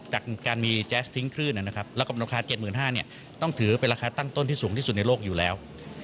จากการมีแจ๊สทิ้งคลื่นนะครับแล้วก็ราคา๗๕๐๐บาทต้องถือเป็นราคาตั้งต้นที่สูงที่สุดในโลกอยู่แล้ว